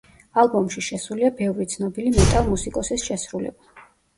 ალბომში შესულია ბევრი ცნობილი მეტალ მუსიკოსის შესრულება.